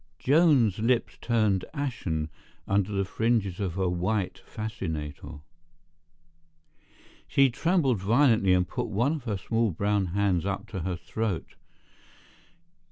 Joan's lips turned ashen under the fringes of her white fascinator. She trembled violently and put one of her small brown hands up to her throat.